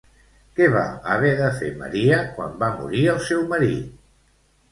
Què va haver de fer Maria quan va morir el seu marit?